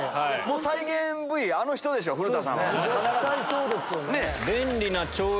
もう再現ＶＴＲあの人でしょ古田さんは必ず。